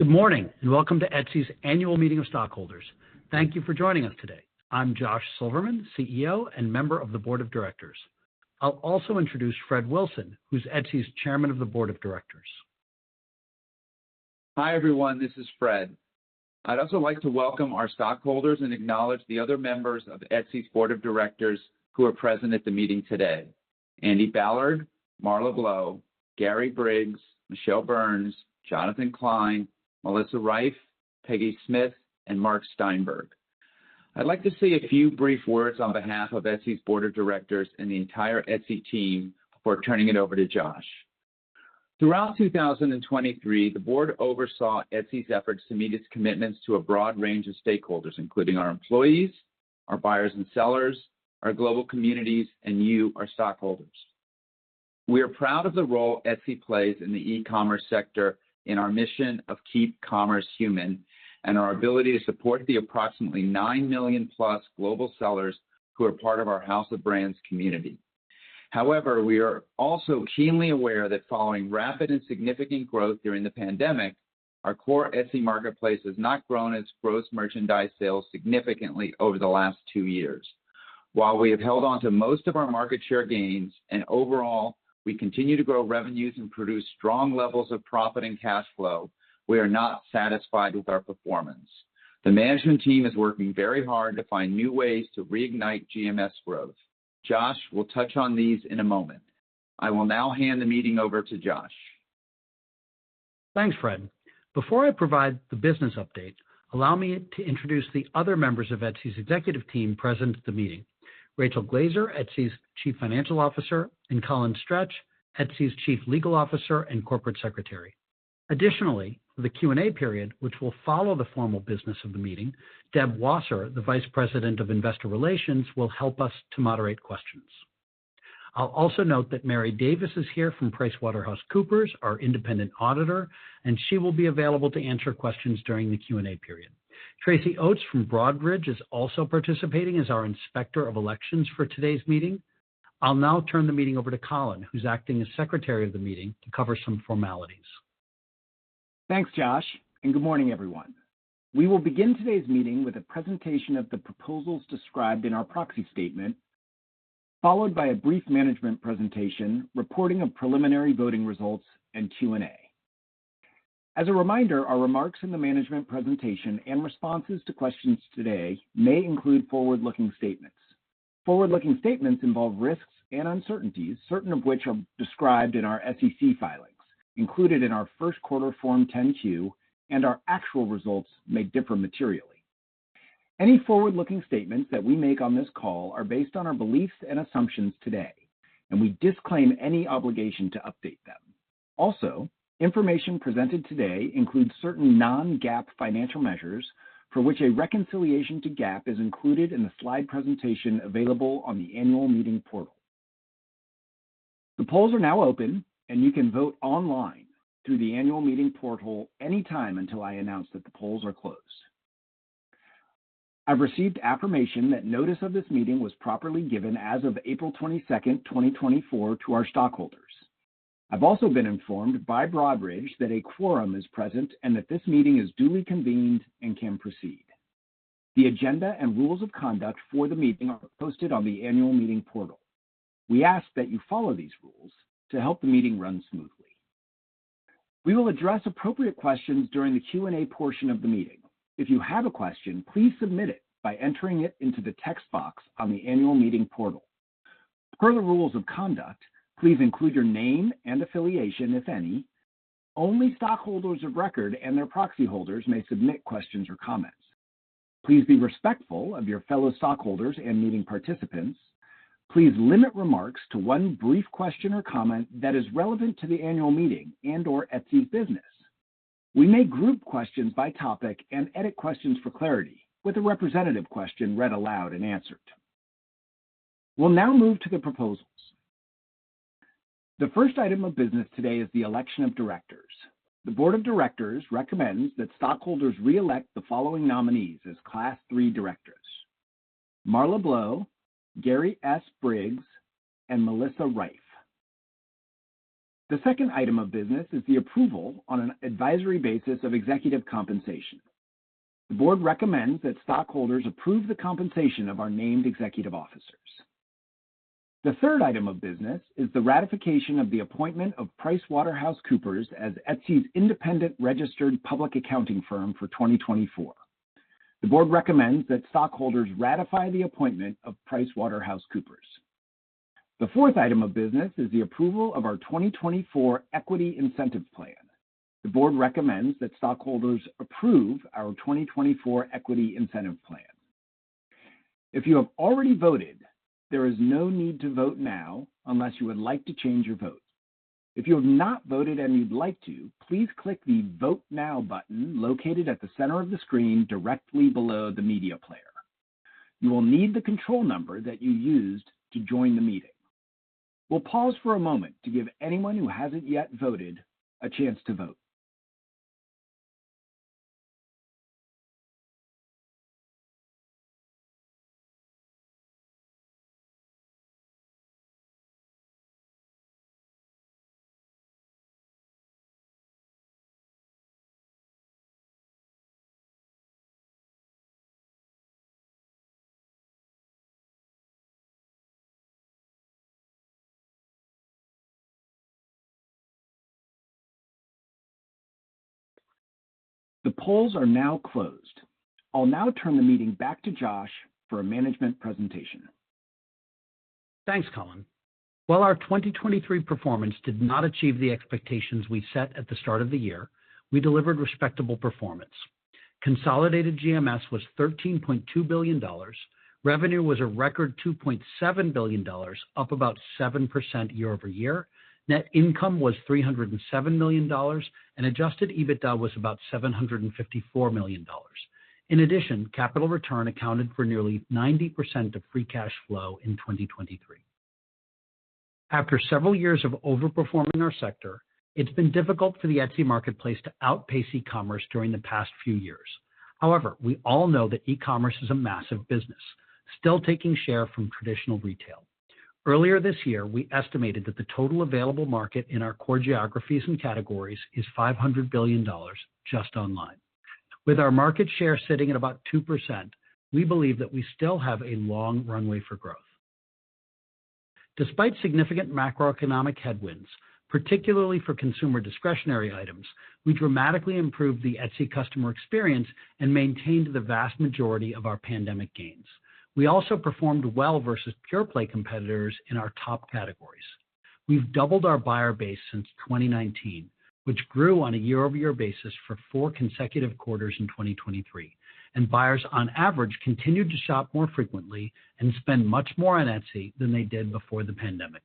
Good morning, and welcome to Etsy's Annual Meeting of Stockholders. Thank you for joining us today. I'm Josh Silverman, CEO and member of the Board of Directors. I'll also introduce Fred Wilson, who's Etsy's Chairman of the Board of Directors. Hi, everyone, this is Fred. I'd also like to welcome our stockholders and acknowledge the other members of Etsy's Board of Directors who are present at the meeting today: Andy Ballard, Marla Blow, Gary Briggs, Michele Burns, Jonathan Klein, Melissa Reiff, Peggy Smyth, and Marc Steinberg. I'd like to say a few brief words on behalf of Etsy's Board of Directors and the entire Etsy team before turning it over to Josh. Throughout 2023, the board oversaw Etsy's efforts to meet its commitments to a broad range of stakeholders, including our employees, our buyers and sellers, our global communities, and you, our stockholders. We are proud of the role Etsy plays in the e-commerce sector in our mission of Keep Commerce Human, and our ability to support the approximately 9 million plus global sellers who are part of our House of Brands community. However, we are also keenly aware that following rapid and significant growth during the pandemic, our core Etsy marketplace has not grown its Gross Merchandise Sales significantly over the last two years. While we have held on to most of our market share gains and overall, we continue to grow revenues and produce strong levels of profit and cash flow, we are not satisfied with our performance. The management team is working very hard to find new ways to reignite GMS growth. Josh will touch on these in a moment. I will now hand the meeting over to Josh. Thanks, Fred. Before I provide the business update, allow me to introduce the other members of Etsy's executive team present at the meeting. Rachel Glaser, Etsy's Chief Financial Officer, and Colin Stretch, Etsy's Chief Legal Officer and Corporate Secretary. Additionally, for the Q&A period, which will follow the formal business of the meeting, Deb Wasser, the Vice President of Investor Relations, will help us to moderate questions. I'll also note that Mary Davis is here from PricewaterhouseCoopers, our independent auditor, and she will be available to answer questions during the Q&A period. Tracy Oates from Broadridge is also participating as our Inspector of Elections for today's meeting. I'll now turn the meeting over to Colin, who's acting as Secretary of the meeting, to cover some formalities. Thanks, Josh, and good morning, everyone. We will begin today's meeting with a presentation of the proposals described in our proxy statement, followed by a brief management presentation, reporting of preliminary voting results, and Q&A. As a reminder, our remarks in the management presentation and responses to questions today may include forward-looking statements. Forward-looking statements involve risks and uncertainties, certain of which are described in our SEC filings, included in our first quarter Form 10-Q, and our actual results may differ materially. Any forward-looking statements that we make on this call are based on our beliefs and assumptions today, and we disclaim any obligation to update them. Also, information presented today includes certain non-GAAP financial measures, for which a reconciliation to GAAP is included in the slide presentation available on the annual meeting portal. The polls are now open, and you can vote online through the annual meeting portal anytime until I announce that the polls are closed. I've received affirmation that notice of this meeting was properly given as of April 22nd, 2024, to our stockholders. I've also been informed by Broadridge that a quorum is present and that this meeting is duly convened and can proceed. The agenda and rules of conduct for the meeting are posted on the annual meeting portal. We ask that you follow these rules to help the meeting run smoothly. We will address appropriate questions during the Q&A portion of the meeting. If you have a question, please submit it by entering it into the text box on the annual meeting portal. Per the rules of conduct, please include your name and affiliation, if any. Only stockholders of record and their proxy holders may submit questions or comments. Please be respectful of your fellow stockholders and meeting participants. Please limit remarks to one brief question or comment that is relevant to the annual meeting and/or Etsy's business. We may group questions by topic and edit questions for clarity, with a representative question read aloud and answered. We'll now move to the proposals. The first item of business today is the election of directors. The board of directors recommends that stockholders re-elect the following nominees as Class Three directors: Marla Blow, Gary S. Briggs, and Melissa Reiff. The second item of business is the approval on an advisory basis of executive compensation. The board recommends that stockholders approve the compensation of our named executive officers. The third item of business is the ratification of the appointment of PricewaterhouseCoopers as Etsy's independent registered public accounting firm for 2024. The board recommends that stockholders ratify the appointment of PricewaterhouseCoopers. The fourth item of business is the approval of our 2024 Equity Incentive Plan. The board recommends that stockholders approve our 2024 Equity Incentive Plan. If you have already voted, there is no need to vote now unless you would like to change your vote. If you have not voted and you'd like to, please click the Vote Now button located at the center of the screen, directly below the media player. You will need the control number that you used to join the meeting. We'll pause for a moment to give anyone who hasn't yet voted a chance to vote.... The polls are now closed. I'll now turn the meeting back to Josh for a management presentation. Thanks, Colin. While our 2023 performance did not achieve the expectations we set at the start of the year, we delivered respectable performance. Consolidated GMS was $13.2 billion. Revenue was a record $2.7 billion, up about 7% year-over-year. Net income was $307 million, and adjusted EBITDA was about $754 million. In addition, capital return accounted for nearly 90% of free cash flow in 2023. After several years of overperforming our sector, it's been difficult for the Etsy marketplace to outpace e-commerce during the past few years. However, we all know that e-commerce is a massive business, still taking share from traditional retail. Earlier this year, we estimated that the total available market in our core geographies and categories is $500 billion, just online. With our market share sitting at about 2%, we believe that we still have a long runway for growth. Despite significant macroeconomic headwinds, particularly for consumer discretionary items, we dramatically improved the Etsy customer experience and maintained the vast majority of our pandemic gains. We also performed well versus pure-play competitors in our top categories. We've doubled our buyer base since 2019, which grew on a year-over-year basis for four consecutive quarters in 2023, and buyers, on average, continued to shop more frequently and spend much more on Etsy than they did before the pandemic.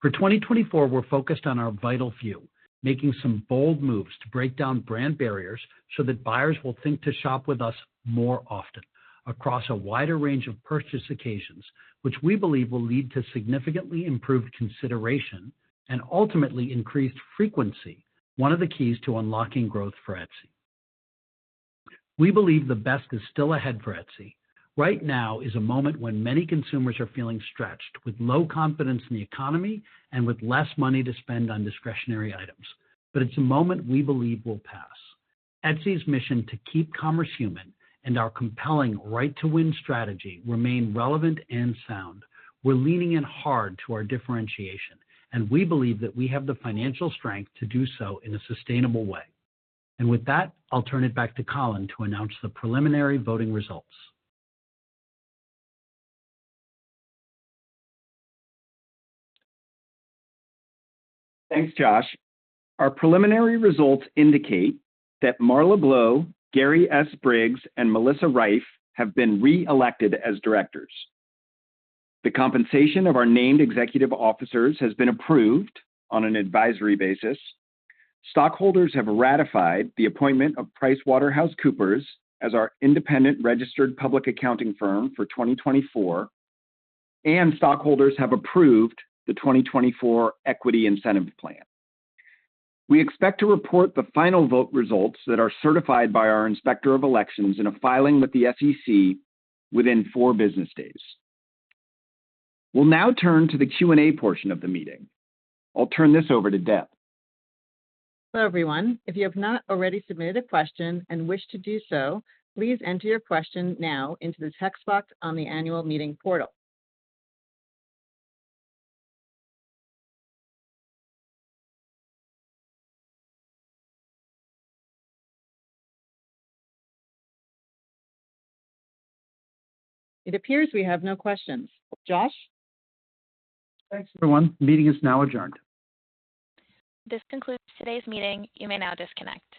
For 2024, we're focused on our vital few, making some bold moves to break down brand barriers so that buyers will think to shop with us more often across a wider range of purchase occasions, which we believe will lead to significantly improved consideration and ultimately increased frequency, one of the keys to unlocking growth for Etsy. We believe the best is still ahead for Etsy. Right now is a moment when many consumers are feeling stretched, with low confidence in the economy and with less money to spend on discretionary items, but it's a moment we believe will pass. Etsy's mission to keep commerce human and our compelling right to win strategy remain relevant and sound. We're leaning in hard to our differentiation, and we believe that we have the financial strength to do so in a sustainable way. With that, I'll turn it back to Colin to announce the preliminary voting results. Thanks, Josh. Our preliminary results indicate that Marla Blow, Gary S. Briggs, and Melissa Reiff have been reelected as directors. The compensation of our named executive officers has been approved on an advisory basis. Stockholders have ratified the appointment of PricewaterhouseCoopers as our independent registered public accounting firm for 2024, and stockholders have approved the 2024 equity incentive plan. We expect to report the final vote results that are certified by our inspector of elections in a filing with the SEC within four business days. We'll now turn to the Q&A portion of the meeting. I'll turn this over to Deb. Hello, everyone. If you have not already submitted a question and wish to do so, please enter your question now into the text box on the annual meeting portal. It appears we have no questions. Josh? Thanks, everyone. The meeting is now adjourned. This concludes today's meeting. You may now disconnect.